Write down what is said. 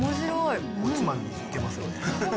おつまみにいけますよね。